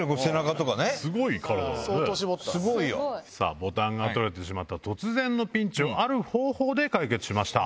ボタンが取れてしまった突然のピンチをある方法で解決しました。